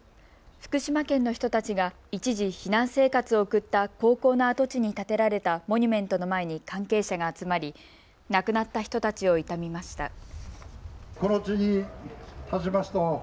福島県の人たちが一時、避難生活を送った高校の跡地に建てられたモニュメントの前に関係者が集まり亡くなった人たちを悼みました。